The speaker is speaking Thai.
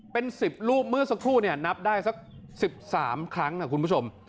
เป็น๑๐รูปเมื่อสักครู่เนี่ยนับได้สัก๑๓ครั้งนะคุณผู้ชม